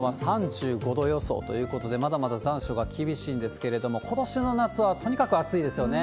このあと強い日ざしが照りつけて、きょうの最高気温は３５度予想ということで、まだまだ残暑が厳しいんですけれども、ことしの夏はとにかく暑いですよね。